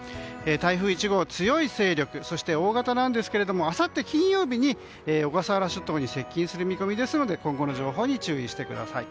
台風１号は強い勢力そして大型なんですけれどもあさって金曜日に小笠原諸島に接近する見込みですので今後の情報に注意してください。